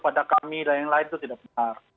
pada kami dan yang lain itu tidak benar